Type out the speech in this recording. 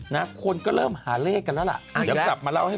นะคนก็เริ่มหาเลขกันแล้วล่ะเดี๋ยวกลับมาเล่าให้